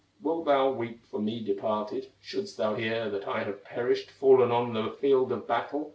Wilt thou weep for me departed, Shouldst thou hear that I have perished, Fallen on the field of battle?"